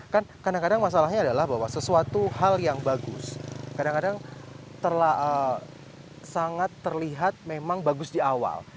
kan kadang kadang masalahnya adalah bahwa sesuatu hal yang bagus kadang kadang sangat terlihat memang bagus di awal